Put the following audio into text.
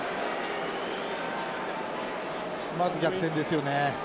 まず逆転ですよね。